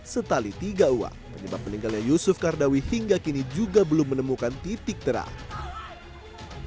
setali tiga uang penyebab meninggalnya yusuf kardawi hingga kini juga belum menemukan titik terang